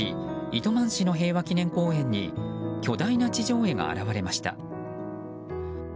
糸満市の平和祈念公園に巨大な地上絵が現れました。